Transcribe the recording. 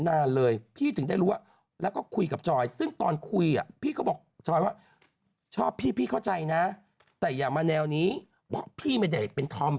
นางคิดแบบว่าไม่ไหวแล้วไปกด